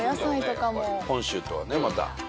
本州とはねまた。